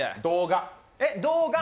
動画。